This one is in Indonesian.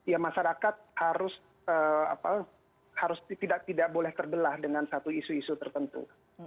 ya masyarakat harus tidak boleh terbelah dengan satu isu isu tertentu